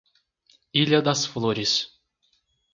Ilha das Flores